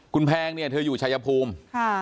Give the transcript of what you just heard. คุณแพงเธออยู่ชายภูมิ